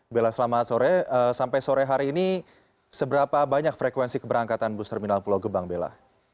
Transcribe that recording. bella selamat sore sampai sore hari ini seberapa banyak frekuensi keberangkatan bus terminal pulau gebang bella